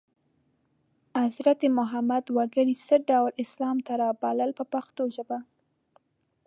حضرت محمد وګړي څه ډول اسلام ته رابلل په پښتو ژبه.